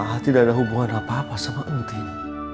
a'a tidak ada hubungan apa apa sama entin